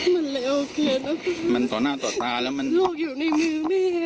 มันแล้วโอเคเนอะมันต่อหน้าต่อตาแล้วมันลูกอยู่ในมือแม่